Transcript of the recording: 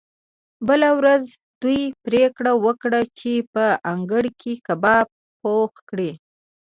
بله ورځ دوی پریکړه وکړه چې په انګړ کې کباب پخ کړي